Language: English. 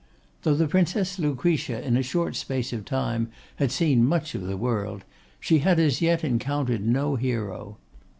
Though the Princess Lucretia in a short space of time had seen much of the world, she had as yet encountered no hero.